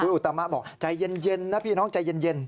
อุตมะบอกใจเย็นนะพี่น้องใจเย็น